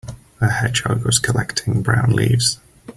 A hedgehog was collecting brown leaves.